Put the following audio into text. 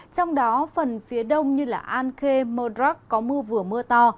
trong đó phần phía đông như an khê modrak có mưa vừa mưa to